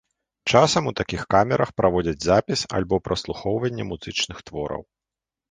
Часам у такіх камерах праводзяць запіс або праслухоўванне музычных твораў.